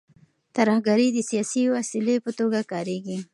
ترهګري د سیاسي وسیلې په توګه کارېږي.